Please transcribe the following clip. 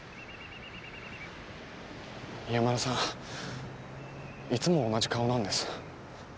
宮村さんいつも同じ顔なんです